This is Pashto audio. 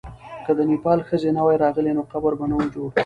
که د نېپال ښځې نه وای راغلې، نو قبر به نه وو جوړ.